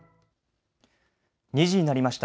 ２時になりました。